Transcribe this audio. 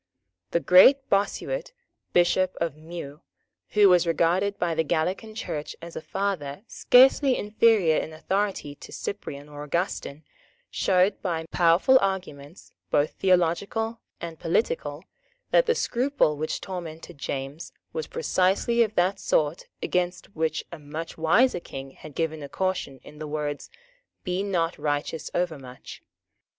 The great Bossuet, Bishop of Meaux, who was regarded by the Gallican Church as a father scarcely inferior in authority to Cyprian or Augustin, showed, by powerful arguments, both theological and political, that the scruple which tormented James was precisely of that sort against which a much wiser King had given a caution in the words, "Be not righteous overmuch."